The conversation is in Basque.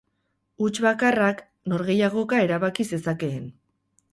Huts bakarrak norgehiagoka erabaki zezakeen.